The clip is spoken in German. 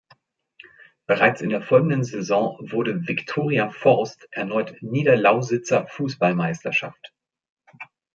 Bereits in der folgenden Saison wurde "Viktoria Forst" erneut Niederlausitzer Fußballmeisterschaft.